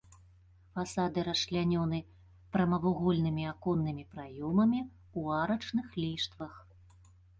Фасады расчлянёны прамавугольнымі аконнымі праёмамі ў арачных ліштвах.